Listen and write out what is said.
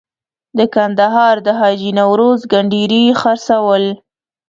د کندهار د حاجي نوروز کنډیري خرڅول.